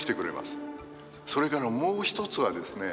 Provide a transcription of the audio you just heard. それからもう一つはですね